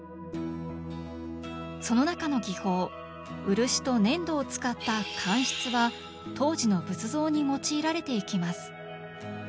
その中の技法漆と粘土を使った乾漆は当時の仏像に用いられていきます。